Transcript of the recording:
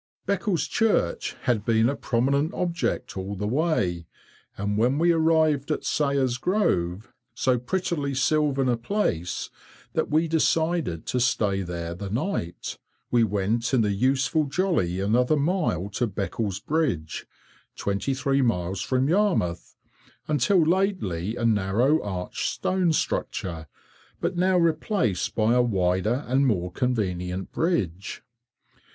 Beccles church had been a prominent object all the way, and when we arrived at Sayer's Grove, so prettily sylvan a place that we decided to stay there the night, we went in the useful jolly another mile to Beccles bridge, 23 miles from Yarmouth, until lately a narrow arched stone structure, but now replaced by a wider and more convenient bridge.